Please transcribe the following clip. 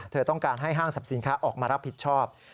เธอต้องการให้ห้างสรรพสินค้าออกมารับผิดชอบ